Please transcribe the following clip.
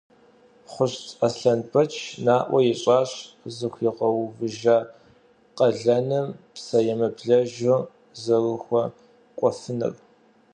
Хъущт Аслъэнбэч наӏуэ ищӏащ зыхуигъэувыжа къалэным псэемыблэжу зэрыхуэкӏуэфыр.